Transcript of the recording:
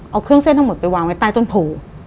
เอาเครื่องเส้นทั้งหมดไปวางไว้ใต้ต้นโพ